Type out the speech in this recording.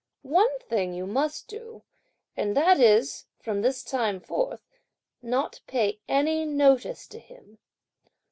One thing you must do, and that is, from this time forth, not to pay any notice to him.